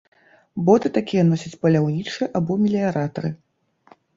Боты такія носяць паляўнічыя або меліяратары.